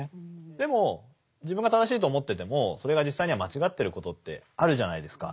でも自分が正しいと思っててもそれが実際には間違ってることってあるじゃないですか。